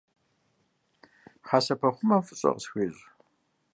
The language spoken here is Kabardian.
Хьэсэпэхъумэм фӏыщӏэ къысхуещӏ.